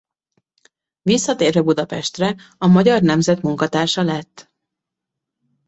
Visszatérve Budapestre a Magyar Nemzet munkatársa lett.